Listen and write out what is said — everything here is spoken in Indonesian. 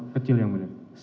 kecil yang mulia